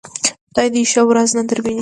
خدای دې ښه ورځ نه درويني.